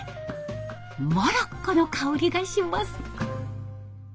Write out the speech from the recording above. モロッコの薫りがします。